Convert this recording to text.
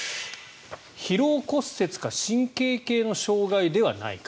疲労骨折か神経系の障害ではないか。